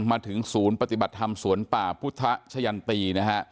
มาถึงศูนย์ปฏิบัติธรรมสวนป่าพุทธชะยันตีนะฮะ